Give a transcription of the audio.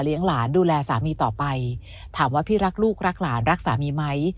หลานดูแลสามีต่อไปถามว่าพี่รักลูกรักหลานรักสามีไหม